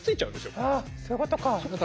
はあそういうことか。